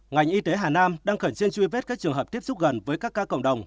ngành y tế hà nam đang khẩn trương truy vết các trường hợp tiếp xúc gần với các ca cộng đồng